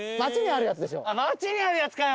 あっ街にあるやつかよ！